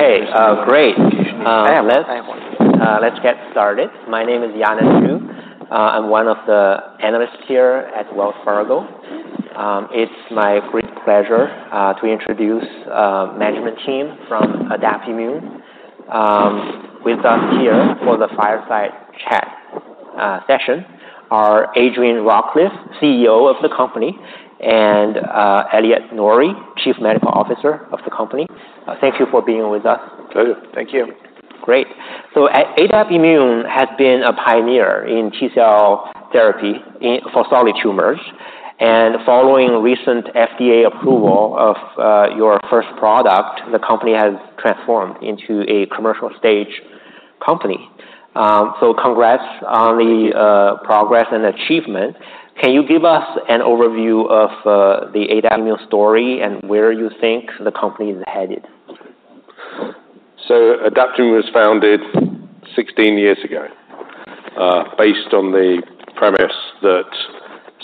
Hey, great. Let's get started. My name is Yanan Zhu. I'm one of the analysts here at Wells Fargo. It's my great pleasure to introduce management team from Adaptimmune. With us here for the fireside chat session are Adrian Rawcliffe, CEO of the company, and Elliot Norry, Chief Medical Officer of the company. Thank you for being with us. Thank you. Thank you. Great. So Adaptimmune has been a pioneer in T-cell therapy in for solid tumors, and following recent FDA approval of your first product, the company has transformed into a commercial stage company. So congrats on the progress and achievement. Can you give us an overview of the Adaptimmune story and where you think the company is headed? Adaptimmune was founded 16 years ago, based on the premise that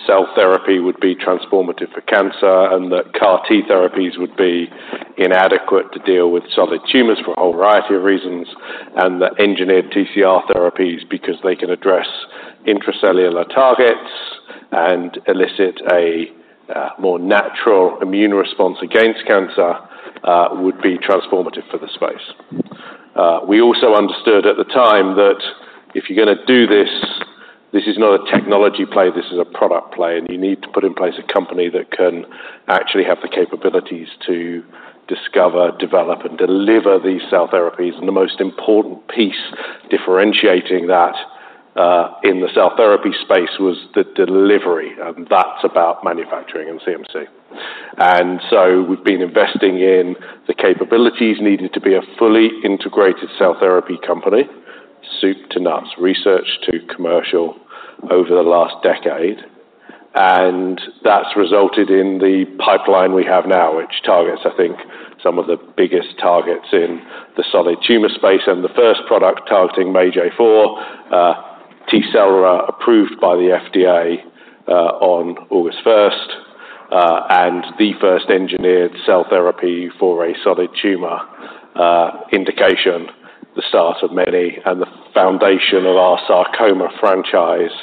cell therapy would be transformative for cancer, and that CAR T therapies would be inadequate to deal with solid tumors for a whole variety of reasons, and that engineered TCR therapies, because they can address intracellular targets and elicit a more natural immune response against cancer, would be transformative for the space. We also understood at the time that if you're gonna do this, this is not a technology play, this is a product play, and you need to put in place a company that can actually have the capabilities to discover, develop, and deliver these cell therapies. The most important piece differentiating that in the cell therapy space was the delivery, and that's about manufacturing and CMC. And so we've been investing in the capabilities needed to be a fully integrated cell therapy company, soup to nuts, research to commercial, over the last decade. And that's resulted in the pipeline we have now, which targets, I think, some of the biggest targets in the solid tumor space, and the first product targeting MAGE-A4 T-cell approved by the FDA on August 1st, and the first engineered cell therapy for a solid tumor indication, the start of many and the foundation of our sarcoma franchise,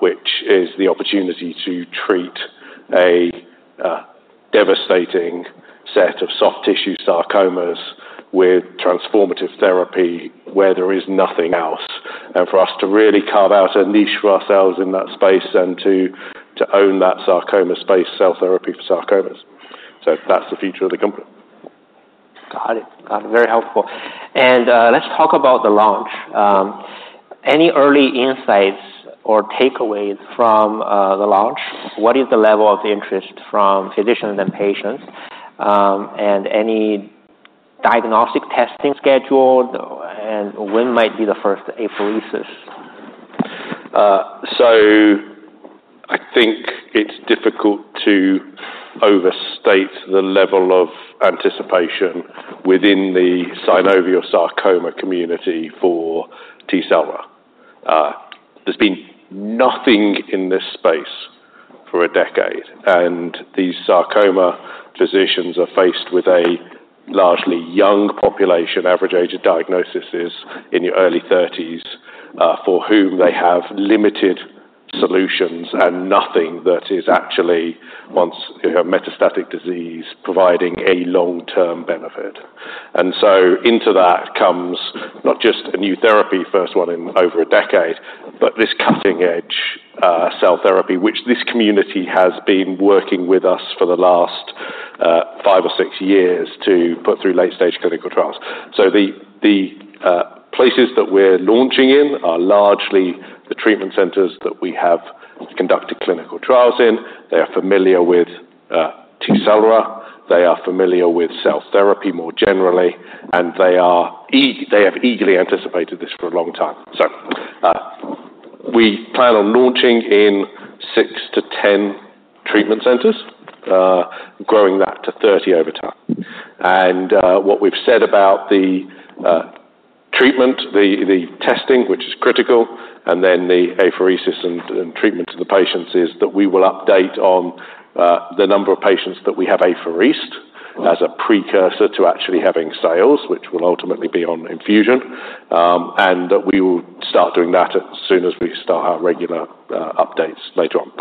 which is the opportunity to treat a devastating set of soft tissue sarcomas with transformative therapy where there is nothing else. And for us to really carve out a niche for ourselves in that space and to own that sarcoma space, cell therapy for sarcomas. So that's the future of the company. Got it. Got it. Very helpful. And, let's talk about the launch. Any early insights or takeaways from the launch? What is the level of interest from physicians and patients? And any diagnostic testing scheduled, and when might be the first apheresis? So I think it's difficult to overstate the level of anticipation within the synovial sarcoma community for Tecelra. There's been nothing in this space for a decade, and these sarcoma physicians are faced with a largely young population, average age of diagnosis is in your early 30's, for whom they have limited solutions and nothing that is actually, once you have metastatic disease, providing a long-term benefit, and so into that comes not just a new therapy, first one in over a decade, but this cutting-edge cell therapy, which this community has been working with us for the last 5 or 6 years to put through late stage clinical trials, so the places that we're launching in are largely the treatment centers that we have conducted clinical trials in. They are familiar with Tecelra, they are familiar with cell therapy more generally, and they have eagerly anticipated this for a long time. So, we plan on launching in 6 to 10 treatment centers, growing that to 30 over time. And, what we've said about the treatment, the testing, which is critical, and then the apheresis and treatment to the patients, is that we will update on the number of patients that we have apheresed as a precursor to actually having sales, which will ultimately be on infusion. And that we will start doing that as soon as we start our regular updates later on.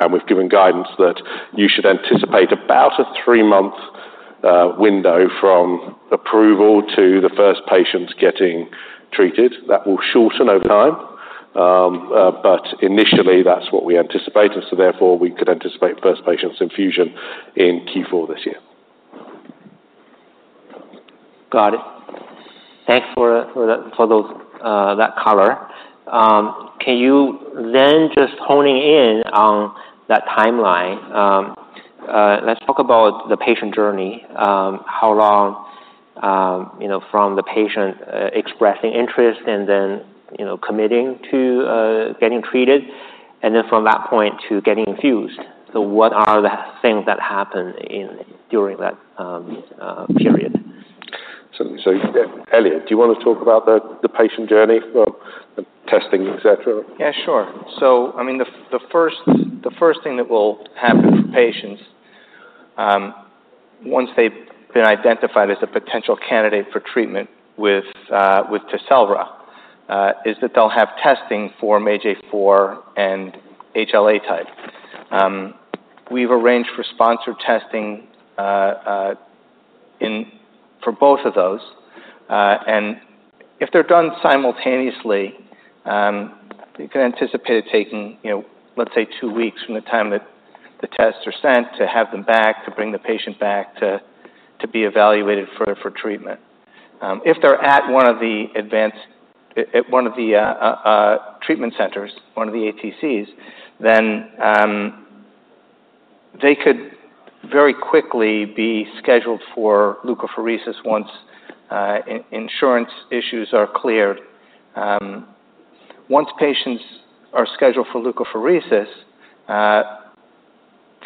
And we've given guidance that you should anticipate about a 3-month window from approval to the first patients getting treated. That will shorten over time, but initially, that's what we anticipate, and so therefore, we could anticipate first patient's infusion in Q4 this year. Got it. Thanks for that color. Can you then just honing in on that timeline, let's talk about the patient journey. How long, you know, from the patient expressing interest and then, you know, committing to getting treated, and then from that point to getting infused? So what are the things that happen during that period? So, Elliot, do you want to talk about the patient journey? Well, the testing, et cetera? Yeah, sure. So, I mean, the first thing that will happen for patients once they've been identified as a potential candidate for treatment with Tecelra is that they'll have testing for MAGE-A4 and HLA type. We've arranged for sponsor testing for both of those. And if they're done simultaneously, you can anticipate it taking, you know, let's say 2 weeks from the time that the tests are sent to have them back, to bring the patient back to be evaluated for treatment. If they're at one of the treatment centers, one of the ATCs, then they could very quickly be scheduled for leukapheresis once insurance issues are cleared. Once patients are scheduled for leukapheresis,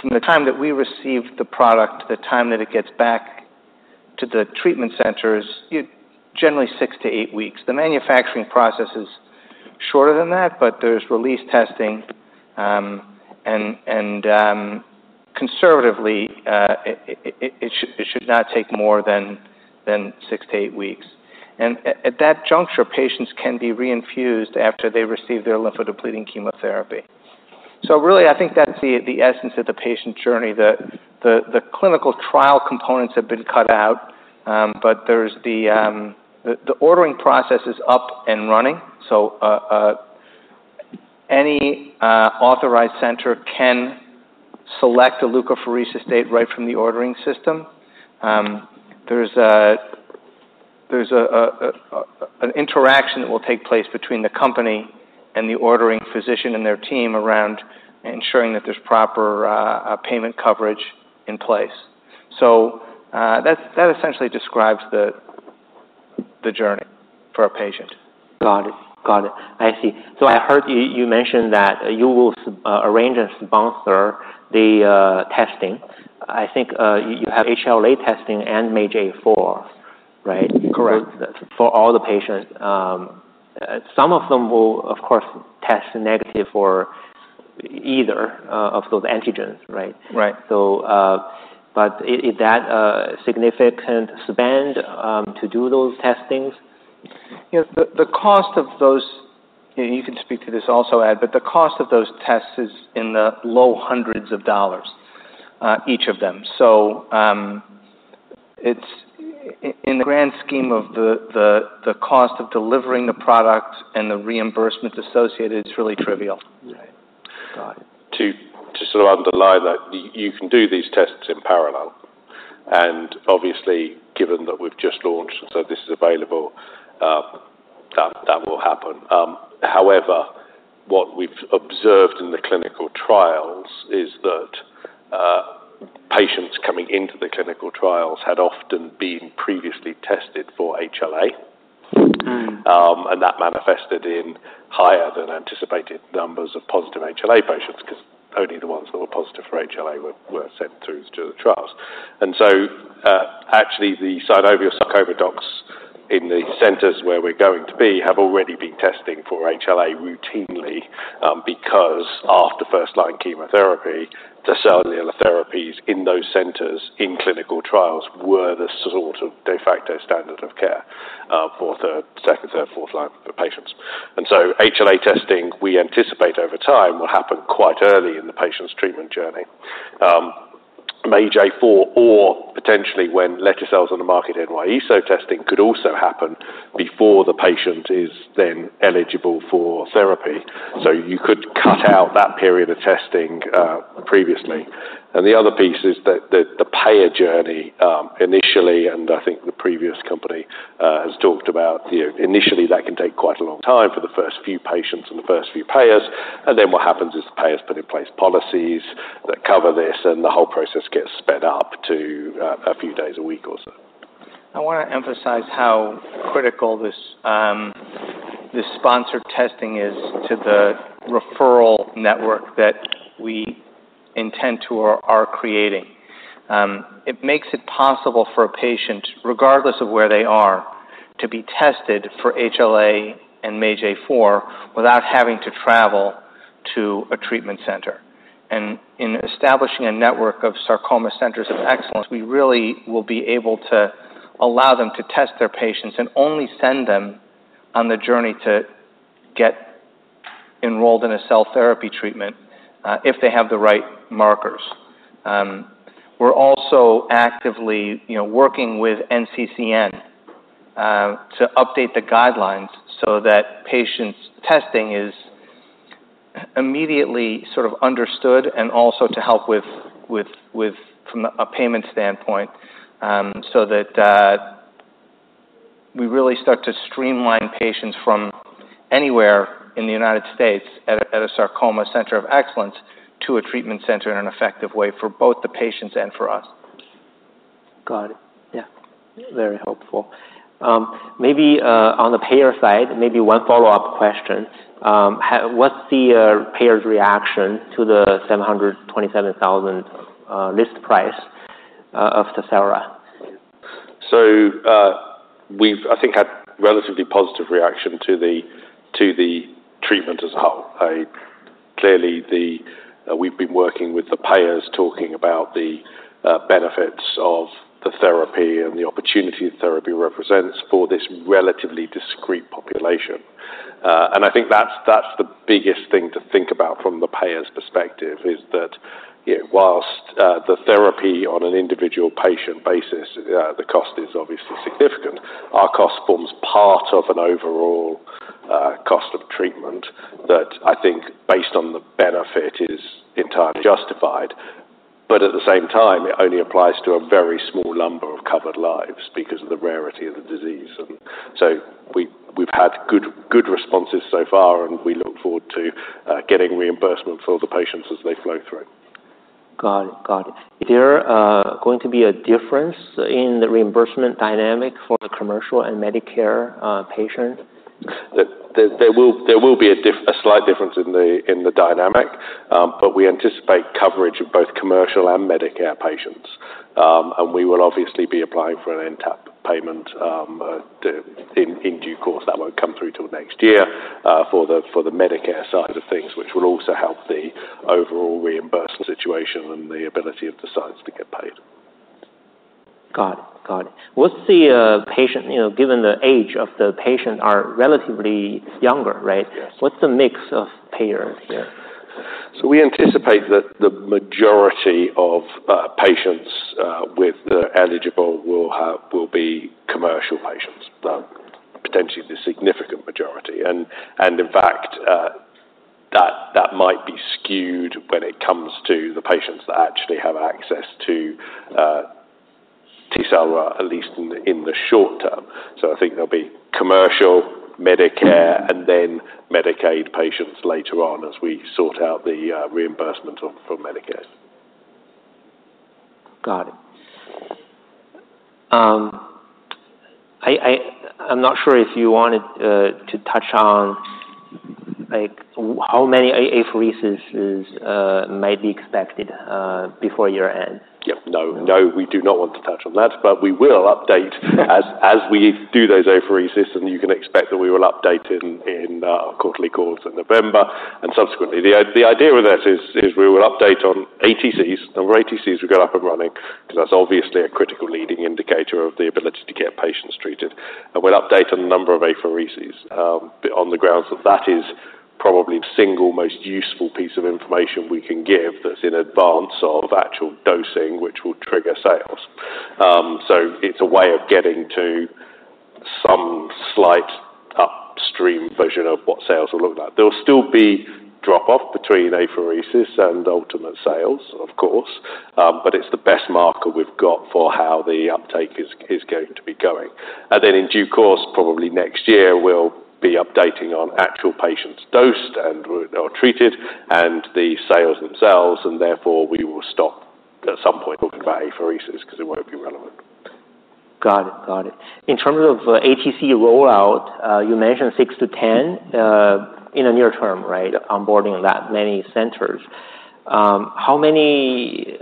from the time that we receive the product to the time that it gets back to the treatment centers, it generally 6 to 8 weeks. The manufacturing process is shorter than that, but there's release testing, and conservatively, it should not take more than 6 to 8 weeks, and at that juncture, patients can be reinfused after they receive their lymphodepleting chemotherapy. So really, I think that's the essence of the patient journey. The clinical trial components have been cut out, but there's the ordering process is up and running, so any authorized center can select a leukapheresis date right from the ordering system. There's an interaction that will take place between the company and the ordering physician and their team around ensuring that there's proper payment coverage in place, so that essentially describes the journey for a patient. Got it. Got it. I see. So I heard you. You mentioned that you will arrange and sponsor the testing. I think you have HLA testing and MAGE-A4, right? Correct. For all the patients. Some of them will, of course, test negative for either of those antigens, right? Right. So, but is that a significant spend to do those testing's? You know, the cost of those, and you can speak to this also, Ad, but the cost of those tests is in the low hundreds of dollars, each of them. So, it's in the grand scheme of the cost of delivering the product and the reimbursement associated. It's really trivial. Right. Got it. To sort of underline that, you can do these tests in parallel, and obviously, given that we've just launched and so this is available, that will happen. However, what we've observed in the clinical trials is that, patients coming into the clinical trials had often been previously tested for HLA. Mm. And that manifested in higher than anticipated numbers of positive HLA patients, 'cause only the ones that were positive for HLA were sent through to the trials. And so, actually, the synovial sarcoma docs in the centers where we're going to be have already been testing for HLA routinely, because after 1st-line chemotherapy, the cellular therapies in those centers in clinical trials were the sort of de facto standard of care for 2nd, 3rd, 4th-line patients. And so HLA testing, we anticipate over time, will happen quite early in the patient's treatment journey. MAGE-A4 or potentially when lete-cel on the market NY-ESO testing could also happen before the patient is then eligible for therapy. So you could cut out that period of testing, previously. The other piece is the payer journey, initially, and I think the previous company has talked about, you know, initially that can take quite a long time for the first few patients and the first few payers, and then what happens is the payers put in place policies that cover this, and the whole process gets sped up to a few days, a week or so. I want to emphasize how critical this sponsored testing is to the referral network that we intend to or are creating. It makes it possible for a patient, regardless of where they are, to be tested for HLA and MAGE-A4 without having to travel to a treatment center. In establishing a network of sarcoma centers of excellence, we really will be able to allow them to test their patients and only send them on the journey to get enrolled in a cell therapy treatment if they have the right markers. We're also actively, you know, working with NCCN to update the guidelines so that patients' testing is immediately sort of understood and also to help with from a payment standpoint, so that we really start to streamline patients from anywhere in the United States at a sarcoma center of excellence to a treatment center in an effective way for both the patients and for us. Got it. Yeah, very helpful. Maybe, on the payer side, maybe one follow-up question. What's the payer's reaction to the $727,000 list price of Tecelra? So, we've, I think, had relatively positive reaction to the treatment as a whole. Clearly, we've been working with the payers, talking about the benefits of the therapy and the opportunity therapy represents for this relatively discrete population. And I think that's the biggest thing to think about from the payer's perspective, is that, you know, whilst the therapy on an individual patient basis the cost is obviously significant, our cost forms part of an overall cost of treatment that I think, based on the benefit, is entirely justified. But at the same time, it only applies to a very small number of covered lives because of the rarity of the disease. And so we've had good responses so far, and we look forward to getting reimbursement for the patients as they flow through. Got it. Got it. Is there going to be a difference in the reimbursement dynamic for the commercial and Medicare patient? There will be a slight difference in the dynamic, but we anticipate coverage of both commercial and Medicare patients. And we will obviously be applying for an NTAP payment in due course, that won't come through till next year for the Medicare side of things, which will also help the overall reimbursement situation and the ability of the sites to get paid. Got it. Got it. What's the patient, you know, given the age of the patient, are relatively younger, right? Yes. What's the mix of payers here? So we anticipate that the majority of patients with the eligible will be commercial patients, but potentially the significant majority. And in fact, that might be skewed when it comes to the patients that actually have access to Tecelra, at least in the short term. So I think there'll be commercial, Medicare, and then Medicaid patients later on as we sort out the reimbursement for Medicare. Got it. I'm not sure if you wanted to touch on, like, how many apheresis might be expected before year-end? Yeah. No, no, we do not want to touch on that, but we will update as we do those apheresis, and you can expect that we will update in our quarterly calls in November, and subsequently. The idea with that is we will update on ATCs. The number of ATCs we've got up and running, because that's obviously a critical leading indicator of the ability to get patients treated. And we'll update on the number of apheresis, on the grounds that that is probably the single most useful piece of information we can give that's in advance of actual dosing, which will trigger sales. So it's a way of getting to some slight upstream version of what sales will look like. There will still be drop off between apheresis and ultimate sales, of course, but it's the best marker we've got for how the uptake is going to be going. And then in due course, probably next year, we'll be updating on actual patients dosed and or treated, and the sales themselves, and therefore we will stop at some point talking about apheresis because it won't be relevant. Got it. Got it. In terms of ATC rollout, you mentioned 6 to 10 in the near term, right? Onboarding that many centers. How many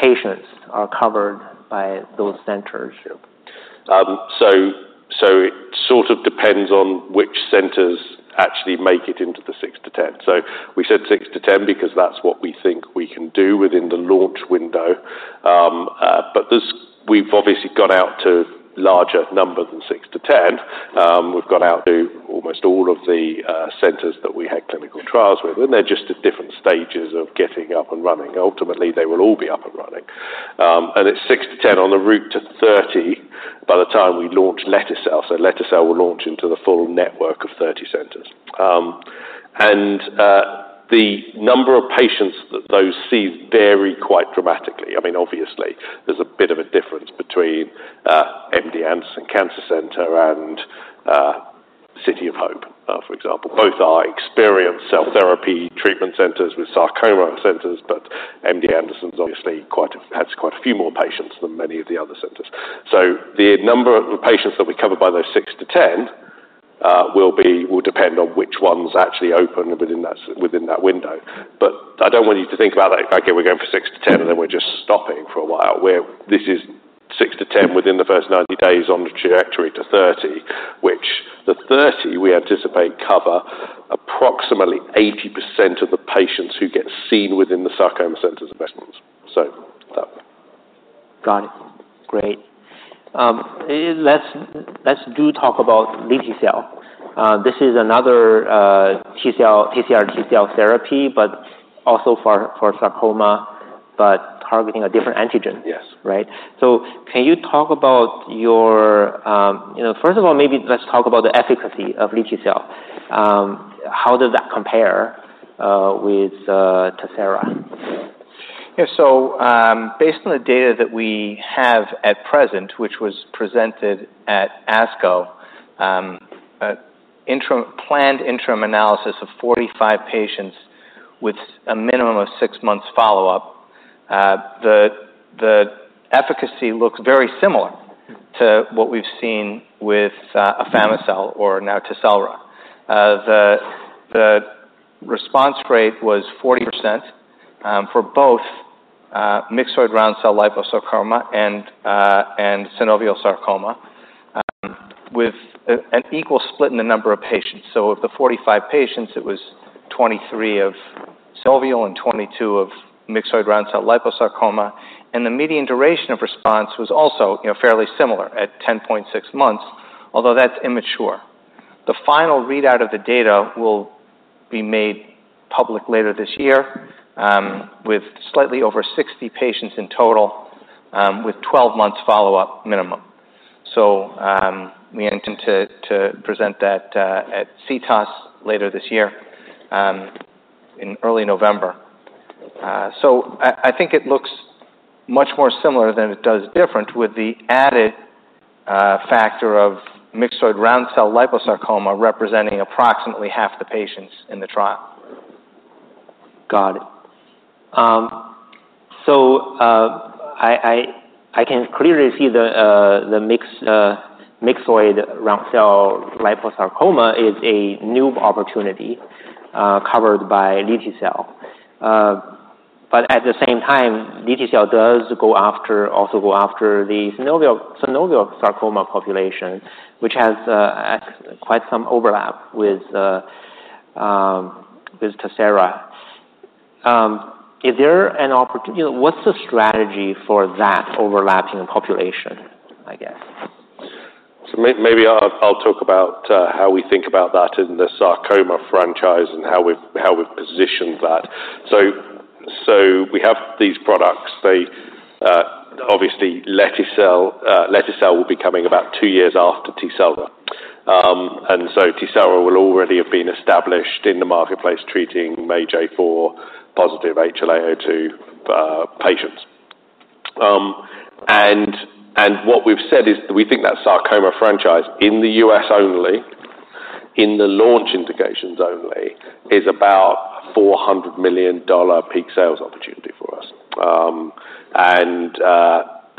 patients are covered by those centers? It sort of depends on which centers actually make it into the 6 to 10. We said 6 to 10 because that's what we think we can do within the launch window, but this, we've obviously got out to larger number than 6 to 10. We've got out to almost all of the centers that we had clinical trials with, and they're just at different stages of getting up and running. Ultimately, they will all be up and running. It's 6 to 10 on the route to 30 by the time we launch lete-cel, so lete-cel will launch into the full network of 30 centers. The number of patients that those see vary quite dramatically. I mean, obviously, there's a bit of a difference between MD Anderson Cancer Center and City of Hope, for example. Both are experienced cell therapy treatment centers with sarcoma centers, but MD Anderson obviously has quite a few more patients than many of the other centers. So the number of patients that we cover by those 6 to 10 will depend on which one's actually open within that window. But I don't want you to think about that, okay, we're going for 6 to 10, and then we're just stopping for a while, where this is 6 to 10 within the first 90 days on the trajectory to 30, which the 30 we anticipate cover approximately 80% of the patients who get seen within the sarcoma centers of excellence. So, so. Got it. Great. Let's talk about lete-cel. This is another T-cell, TCR T-cell therapy, but also for sarcoma, but targeting a different antigen. Yes. Right? So can you talk about your, you know, first of all, maybe let's talk about the efficacy of lete-cel. How does that compare with Tecelra? Yeah. So, based on the data that we have at present, which was presented at ASCO, planned interim analysis of 45 patients with a minimum of 6-months follow-up, the response rate was 40%, for both myxoid/round cell liposarcoma and synovial sarcoma, with an equal split in the number of patients. So of the 45 patients, it was 23 of synovial and 22 of myxoid/round cell liposarcoma, and the median duration of response was also, you know, fairly similar at 10.6 months, although that's immature. The final readout of the data will be made public later this year, with slightly over 60 patients in total, with 12 months follow-up minimum. So, we intend to present that at CTOS later this year, in early November. So I think it looks much more similar than it does different, with the added factor of myxoid round cell liposarcoma representing approximately half the patients in the trial. Got it. So, I can clearly see the myxoid round cell liposarcoma is a new opportunity, covered by lete-cel. But at the same time, lete-cel does also go after the synovial sarcoma population, which has quite some overlap with Tecelra. Is there an opportunity? What's the strategy for that overlapping population, I guess? Maybe I'll talk about how we think about that in the sarcoma franchise and how we've positioned that. We have these products. They obviously, lete-cel will be coming about 2 years after Tecelra. Tecelra will already have been established in the marketplace, treating MAGE-A4 positive HLA-A2 patients. What we've said is we think that sarcoma franchise in the US only, in the launch indications only, is about $400 million peak sales opportunity for us.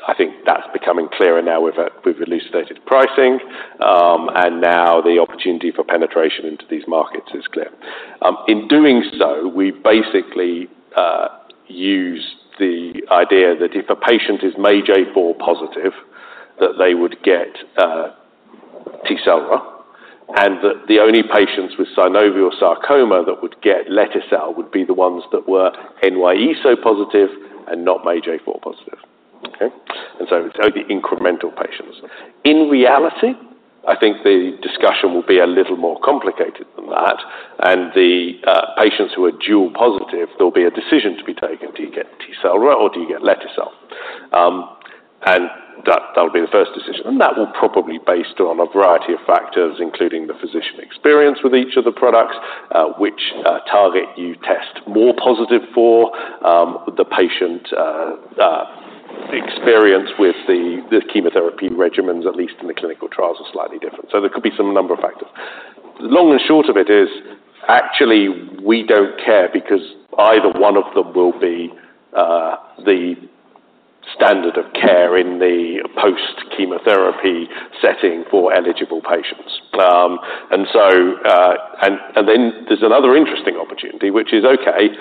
I think that's becoming clearer now with we've released stated pricing, and now the opportunity for penetration into these markets is clear. In doing so, we basically use the idea that if a patient is MAGE-A4 positive, that they would get Tecelra, and that the only patients with synovial sarcoma that would get lete-cel would be the ones that were NY-ESO positive and not MAGE-A4 positive. Okay? And so it's only incremental patients. In reality, I think the discussion will be a little more complicated than that. And the patients who are dual positive, there'll be a decision to be taken. Do you get Tecelra or do you get lete-cel? And that, that'll be the first decision, and that will probably based on a variety of factors, including the physician experience with each of the products, which target you test more positive for, the patient experience with the chemotherapy regimens, at least in the clinical trials, are slightly different. So there could be some number of factors. Long and short of it is, actually, we don't care because either one of them will be the standard of care in the post-chemotherapy setting for eligible patients. And so, and then there's another interesting opportunity, which is, okay,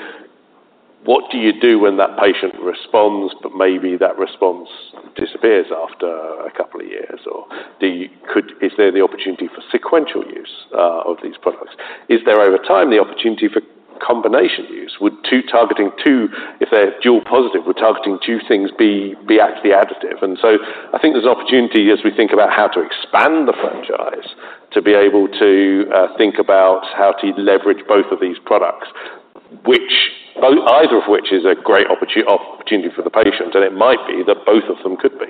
what do you do when that patient responds, but maybe that response disappears after a couple of years? Or is there the opportunity for sequential use of these products? Is there, over time, the opportunity for combination use? Would two targeting two, if they're dual positive, would targeting two things be actually additive? And so I think there's opportunity as we think about how to expand the franchise, to be able to think about how to leverage both of these products, either of which is a great opportunity for the patient, and it might be that both of them could be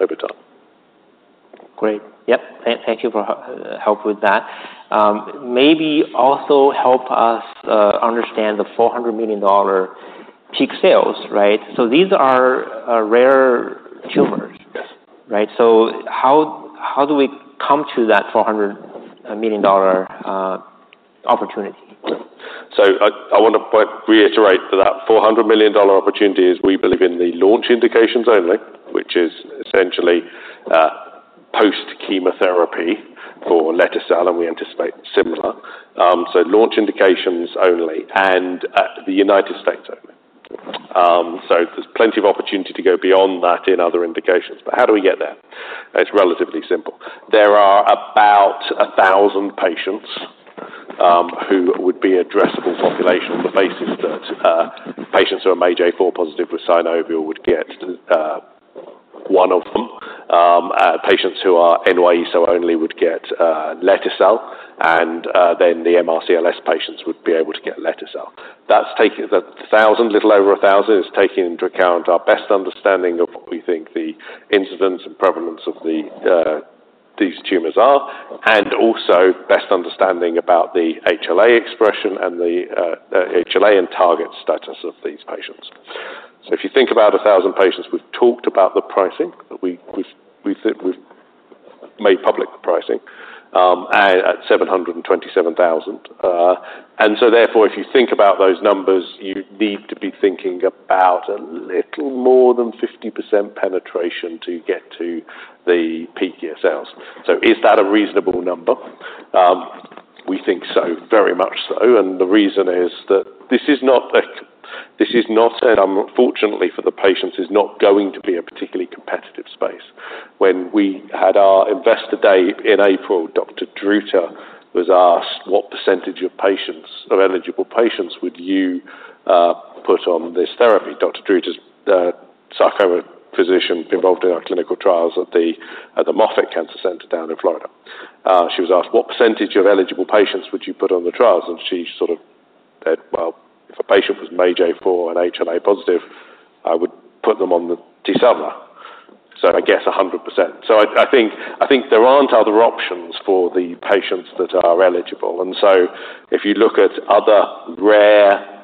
over time. Great. Yep, thank you for help with that. Maybe also help us understand the $400 million peak sales, right? So these are rare tumors. Yes. Right? So how do we come to that $400 million opportunity? So I want to quite reiterate that $400 million opportunity is we believe in the launch indications only, which is essentially post-chemotherapy for lete-cel, and we anticipate similar. Launch indications only and the United States only. So there's plenty of opportunity to go beyond that in other indications. But how do we get there? It's relatively simple. There are about 1,000 patients who would be addressable population on the basis that patients who are MAGE-A4 positive with synovial would get one of them. Patients who are NY-ESO-1 only would get lete-cel, and then the MRCLS patients would be able to get lete-cel. That's taking... The thousand, little over a thousand, is taking into account our best understanding of what we think the incidence and prevalence of these tumors are, and also best understanding about the HLA expression and the HLA and target status of these patients. So if you think about a thousand patients, we've talked about the pricing, that we've said we've made public the pricing at $727,000. And so therefore, if you think about those numbers, you need to be thinking about a little more than 50% penetration to get to the peak year sales. So is that a reasonable number? So very much so, and the reason is that this is not a, this is not, and unfortunately for the patients, is not going to be a particularly competitive space. When we had our investor day in April, Dr. Druta was asked what percentage of patients, of eligible patients, would you put on this therapy? Dr. Druta is sarcoma physician involved in our clinical trials at the Moffitt Cancer Center down in Florida. She was asked, "What percentage of eligible patients would you put on the trials?" And she sort of said, "Well, if a patient was MAGE-A4 and HLA positive, I would put them on the Tecelra," so I guess 100%. So I think there aren't other options for the patients that are eligible. And so if you look at other rare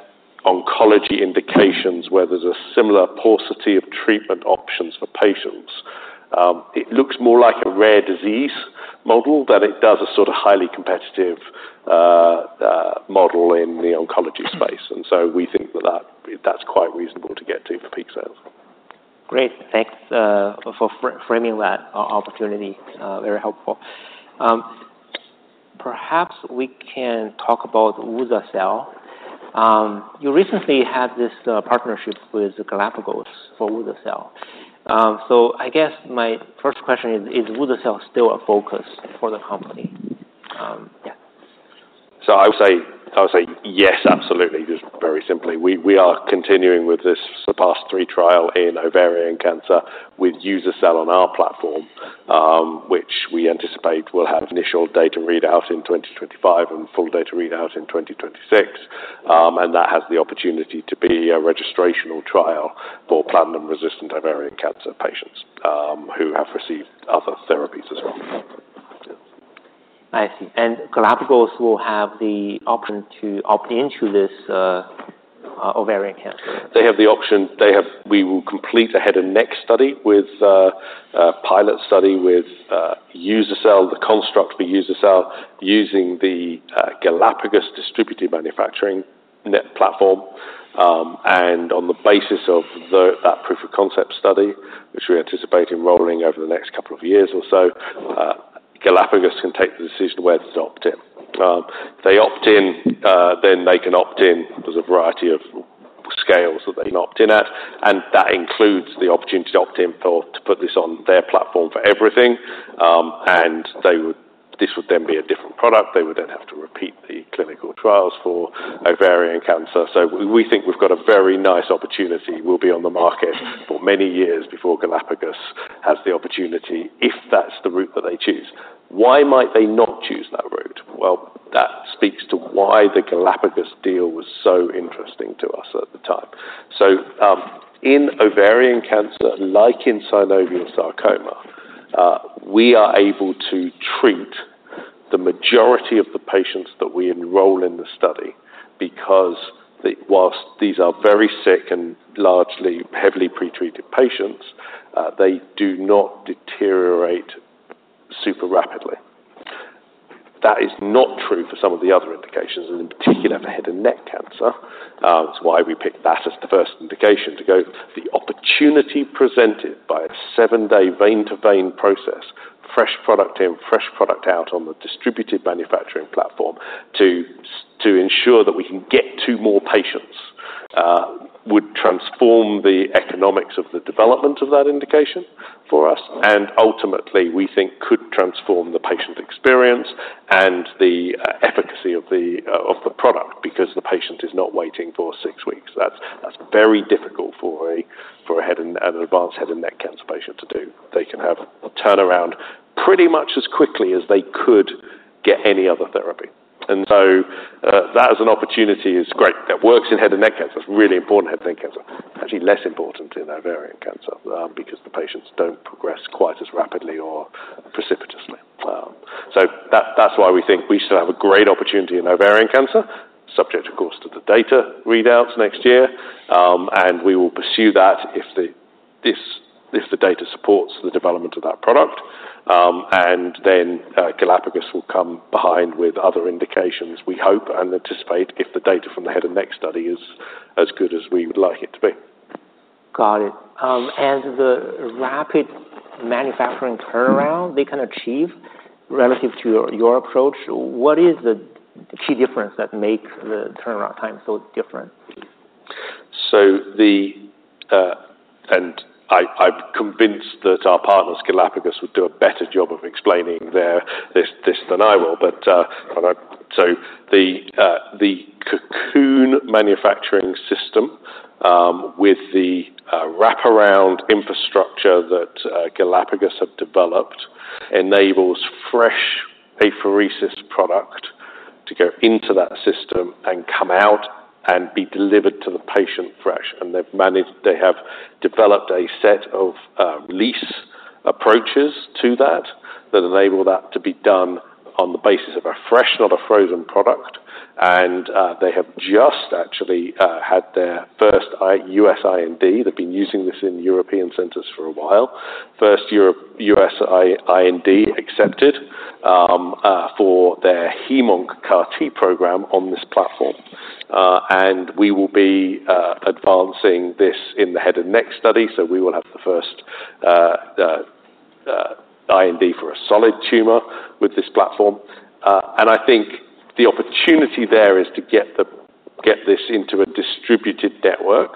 oncology indications where there's a similar paucity of treatment options for patients, it looks more like a rare disease model than it does a sort of highly competitive model in the oncology space. And so we think that that's quite reasonable to get to for peak sales. Great. Thanks for framing that opportunity, very helpful. Perhaps we can talk about uza-cel. You recently had this partnership with Galapagos for uza-cel. So I guess my first question is, is uza-cel still a focus for the company? Yeah. I would say yes, absolutely, just very simply. We are continuing with this SURPASS 3 trial in ovarian cancer with uza-cel on our platform, which we anticipate will have initial data readouts in 2025 and full data readouts in 2026, and that has the opportunity to be a registrational trial for platinum-resistant ovarian cancer patients who have received other therapies as well. I see. And Galapagos will have the option to opt into this, ovarian cancer? They have the option. We will complete the head and neck study with a pilot study with uza-cel, the construct for uza-cel, using the Galapagos decentralized manufacturing network platform. On the basis of that proof of concept study, which we anticipate enrolling over the next couple of years or so, Galapagos can take the decision whether to opt in. If they opt in, then they can opt in. There is a variety of scales that they can opt in at, and that includes the opportunity to opt in for, to put this on their platform for everything. They would. This would then be a different product. They would then have to repeat the clinical trials for ovarian cancer. We think we have got a very nice opportunity. We'll be on the market for many years before Galapagos has the opportunity, if that's the route that they choose. Why might they not choose that route? Well, that speaks to why the Galapagos deal was so interesting to us at the time. So, in ovarian cancer, like in synovial sarcoma, we are able to treat the majority of the patients that we enroll in the study because whilst these are very sick and largely heavily pretreated patients, they do not deteriorate super rapidly. That is not true for some of the other indications, and in particular, for head and neck cancer. That's why we picked that as the first indication to go. The opportunity presented by a 7-day vein-to-vein process, fresh product in, fresh product out on the distributed manufacturing platform, to ensure that we can get to more patients, would transform the economics of the development of that indication for us, and ultimately, we think could transform the patient experience and the efficacy of the product, because the patient is not waiting for 6 weeks. That's very difficult for an advanced head and neck cancer patient to do. They can have a turnaround pretty much as quickly as they could get any other therapy. And so, that as an opportunity is great. That works in head and neck cancer. It's really important in head and neck cancer. Actually, less important in ovarian cancer, because the patients don't progress quite as rapidly or precipitously. So that's why we think we still have a great opportunity in ovarian cancer, subject of course, to the data readouts next year. And we will pursue that if the data supports the development of that product. And then, Galapagos will come behind with other indications, we hope and anticipate, if the data from the head and neck study is as good as we would like it to be. Got it. And the rapid manufacturing turnaround they can achieve relative to your approach, what is the key difference that make the turnaround time so different? I'm convinced that our partners, Galapagos, would do a better job of explaining this than I will. But the Cocoon manufacturing system, with the wraparound infrastructure that Galapagos have developed, enables fresh apheresis product to go into that system and come out and be delivered to the patient fresh. They have developed a set of lease approaches to that that enable that to be done on the basis of a fresh, not a frozen product. And they have just actually had their first U.S. IND. They've been using this in European centers for a while. First U.S. IND accepted for their hem/onc CAR T program on this platform. And we will be advancing this in the head and neck study, so we will have the first IND for a solid tumor with this platform. And I think the opportunity there is to get this into a distributed network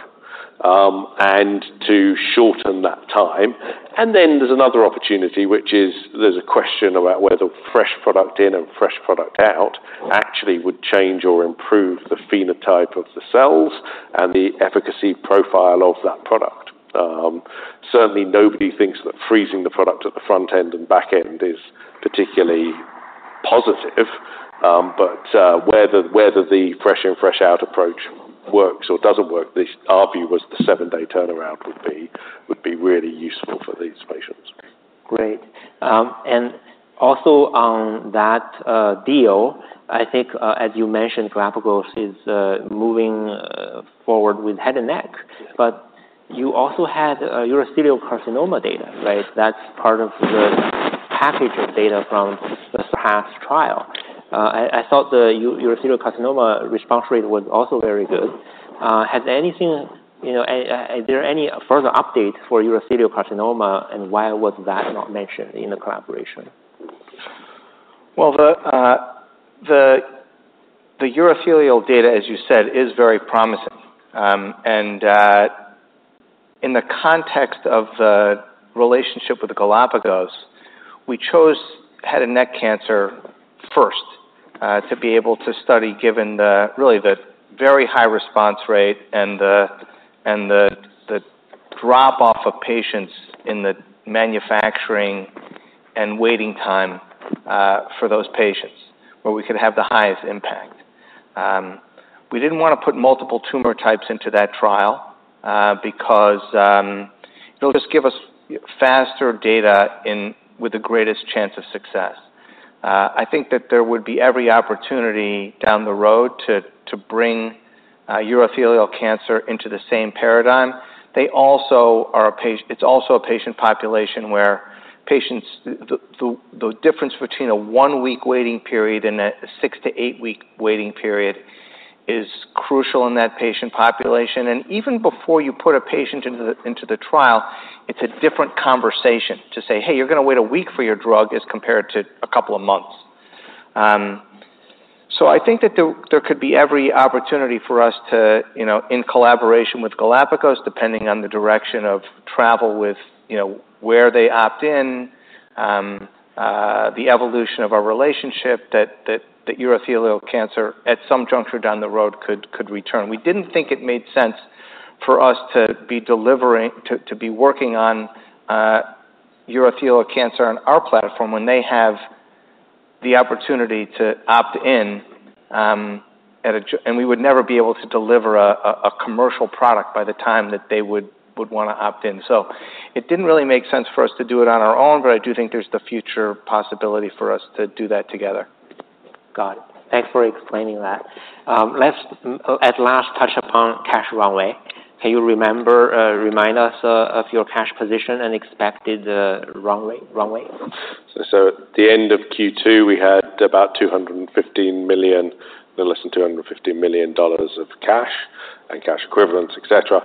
and to shorten that time. And then there's another opportunity, which is there's a question about whether fresh product in and fresh product out actually would change or improve the phenotype of the cells and the efficacy profile of that product. Certainly, nobody thinks that freezing the product at the front end and back end is particularly positive. But whether the fresh in, fresh out approach works or doesn't work, our view was the 7-day turnaround would be really useful for these patients. Great. And also on that deal, I think, as you mentioned, Galapagos is moving forward with head and neck. But you also had urothelial carcinoma data, right? That's part of the package of data from the SURPASS trial. I thought the urothelial carcinoma response rate was also very good. Has anything, you know, is there any further update for urothelial carcinoma, and why was that not mentioned in the collaboration? The urothelial data, as you said, is very promising. In the context of the relationship with the Galapagos, we chose head and neck cancer first, to be able to study, given really the very high response rate and the drop-off of patients in the manufacturing and waiting time, for those patients, where we could have the highest impact. We didn't wanna put multiple tumor types into that trial, because, it'll just give us faster data in... with the greatest chance of success. I think that there would be every opportunity down the road to bring urothelial cancer into the same paradigm. They also are a patient population where patients, the difference between a one-week waiting period and a 6 to 8 week waiting period is crucial in that patient population, and even before you put a patient into the trial, it's a different conversation to say, "Hey, you're gonna wait a week for your drug," as compared to a couple of months, so I think that there could be every opportunity for us to, you know, in collaboration with Galapagos, depending on the direction of travel with, you know, where they opt in, the evolution of our relationship, that urothelial cancer at some juncture down the road could return. We didn't think it made sense for us to be delivering to be working on urothelial cancer on our platform when they have the opportunity to opt in and we would never be able to deliver a commercial product by the time that they would wanna opt in, so it didn't really make sense for us to do it on our own, but I do think there's the future possibility for us to do that together. Got it. Thanks for explaining that. Let's at least touch upon cash runway. Can you remind us of your cash position and expected runway? At the end of Q2, we had about $215 million, a little less than $250 million dollars of cash and cash equivalents, et cetera.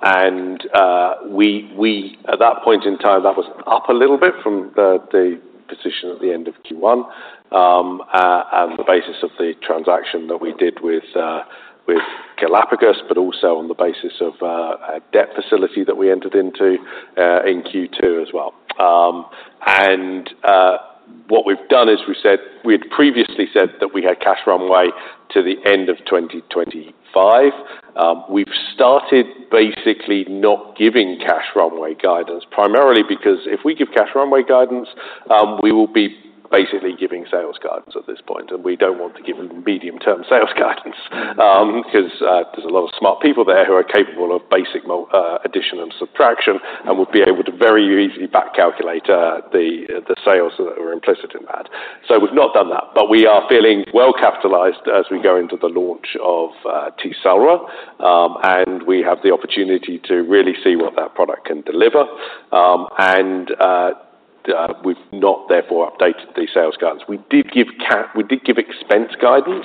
And at that point in time, that was up a little bit from the position at the end of Q1, and on the basis of the transaction that we did with Galapagos, but also on the basis of a debt facility that we entered into in Q2 as well. And what we've done is we've said... We had previously said that we had cash runway to the end of 2025. We've started basically not giving cash runway guidance, primarily because if we give cash runway guidance, we will be basically giving sales guidance at this point, and we don't want to give medium-term sales guidance. Because there's a lot of smart people there who are capable of basic addition and subtraction, and will be able to very easily back calculate the sales that were implicit in that. So we've not done that, but we are feeling well-capitalized as we go into the launch of Tecelra, and we have the opportunity to really see what that product can deliver. We've not therefore updated the sales guidance. We did give expense guidance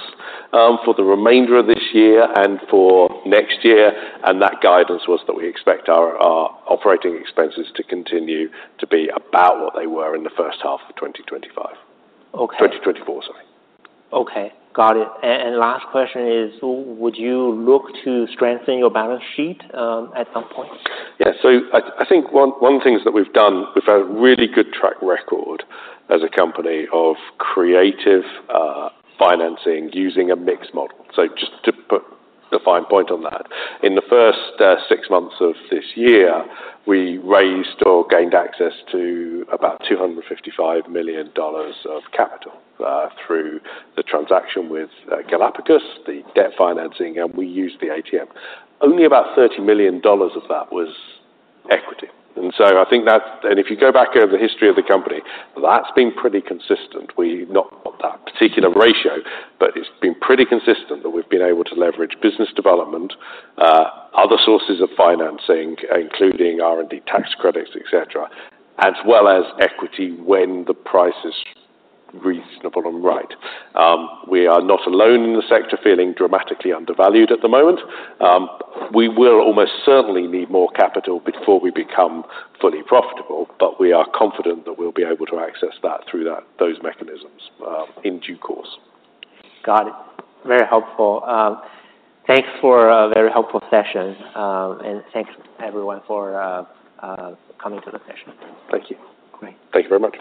for the remainder of this year and for next year, and that guidance was that we expect our operating expenses to continue to be about what they were in the first half of 2025. Okay. 2024, sorry. Okay, got it. And last question is, would you look to strengthen your balance sheet at some point? Yeah. I think one of the things that we've done, we've had a really good track record as a company of creative financing using a mixed model. So just to put the fine point on that, in the first 6 months of this year, we raised or gained access to about $255 million of capital through the transaction with Galapagos, the debt financing, and we used the ATM. Only about $30 million of that was equity, and so I think that and if you go back over the history of the company, that's been pretty consistent. We've not got that particular ratio, but it's been pretty consistent that we've been able to leverage business development, other sources of financing, including R&D, tax credits, et cetera, as well as equity when the price is reasonable and right. We are not alone in the sector feeling dramatically undervalued at the moment. We will almost certainly need more capital before we become fully profitable, but we are confident that we'll be able to access that through those mechanisms in due course. Got it. Very helpful. Thanks for a very helpful session, and thanks, everyone, for coming to the session. Thank you. Great. Thank you very much.